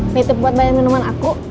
nitip buat bayar minuman aku